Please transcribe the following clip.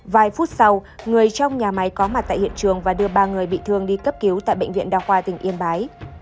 vài phút sau người trong nhà máy có mặt tại hiện trường và đưa ba người bị thương đi cấp cứu tại bệnh viện đa khoa tỉnh yên bái